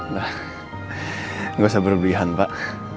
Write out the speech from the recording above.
nah nggak usah berbelihan pak